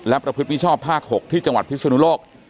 และประพฤติมิชชอบภาค๖ที่จังหวัดพิศนุโลก